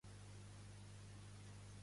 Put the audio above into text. Quants campionats d'Espanya va guanyar?